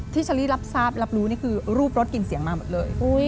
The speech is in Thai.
เชอรี่รับทราบรับรู้นี่คือรูปรถกลิ่นเสียงมาหมดเลย